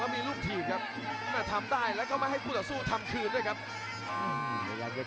แล้วมีลูกถีบทำได้แล้วก็ไม่ให้ผู้ต่อสู้ทำคืนด้วยครับ